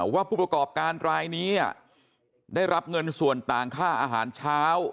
ผู้ประกอบการรายนี้ได้รับเงินส่วนต่างค่าอาหารเช้า